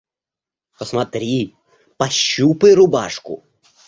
Посмотри, пощупай рубашку.